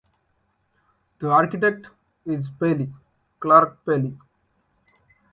The architect is Pelli Clarke Pelli.